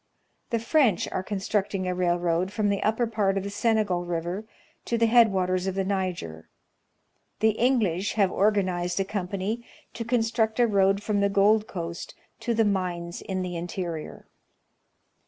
The French are constructing a railroad from the upper part of the Senegal River to the head waters of the Niger. The English have organized a company to construct a road from the Gold Coast to the mines in the interior.